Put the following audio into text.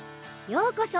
ようこそ